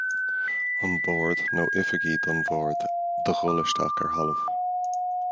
An Bord nó oifigigh don Bhord do dhul isteach ar thalamh.